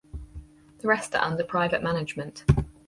The rest are under private management.